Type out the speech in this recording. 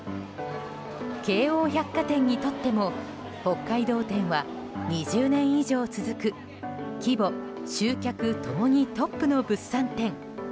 京王百貨店にとっても北海道店は２０年以上続く規模・集客ともにトップの物産展。